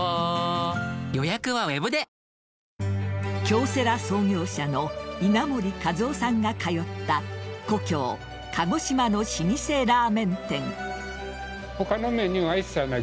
京セラ創業者の稲盛和夫さんが通った故郷・鹿児島の老舗ラーメン店。